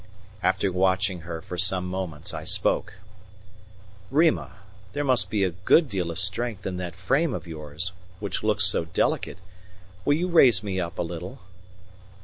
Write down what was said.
After watching her for some moments, I spoke: "Rima, there must be a good deal of strength in that frame of yours, which looks so delicate; will you raise me up a little?"